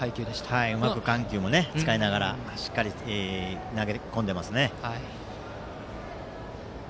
うまく緩急を使ってしっかり投げ込んでいますね。